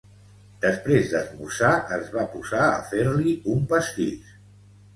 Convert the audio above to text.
Després d'esmorzar es va posar a fer-li un pastís.